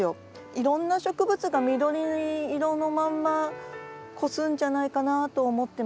いろんな植物が緑色のまんま越すんじゃないかなと思ってます。